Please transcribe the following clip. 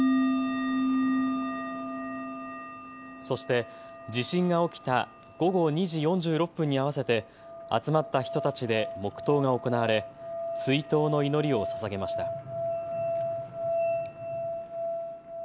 そして、地震が起きた午後２時４６分に合わせて集まった人たちで黙とうが行われ追悼の祈りをささげました。